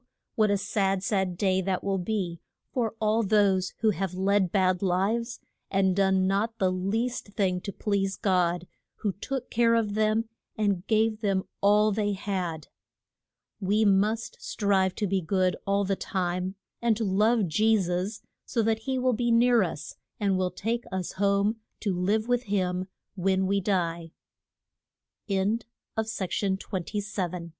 what a sad, sad day that will be for all those who have led bad lives, and done not the least thing to please God, who took care of them and gave them all they had. We must strive to be good all the time, and to love Je sus, so that he will be near us, and will take us home to live with h